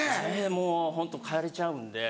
もうホントかれちゃうんで。